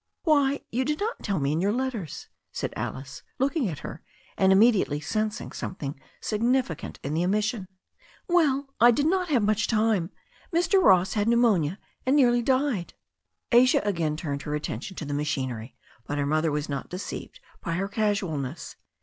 "Why, you did not tell me in your letters," said Alice, looking at her, and immediately sensing something signifi cant in the omission. "Well, I did not have much time. Mr. Ross had pneu monia and nearly died." Asia again turned her attention to the machinery, but her mother was not deceived by her casualness.